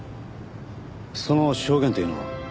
その証言というのは？